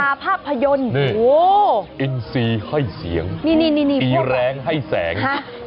ภาพยนตร์อินซีให้เสียงนี่มีแรงให้แสง